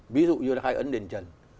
ví dụ như là khai ấn đền trần